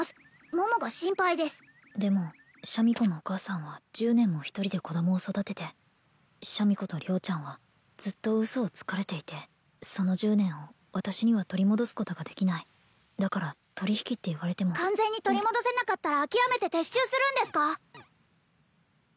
桃が心配ですでもシャミ子のお母さんは１０年も一人で子供を育ててシャミ子と良ちゃんはずっと嘘をつかれていてその１０年を私には取り戻すことができないだから取引って言われても完全に取り戻せなかったら諦めて撤収するんですか？